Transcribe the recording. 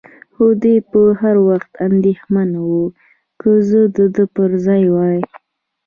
خو دی به هر وخت اندېښمن و، که زه د ده پر ځای وای.